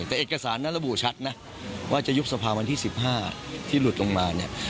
แต่เอกสารนั้นระบุชัดนะว่าจะยุบสภาวันที่๑๕ที่หลุดลงมาเนี่ย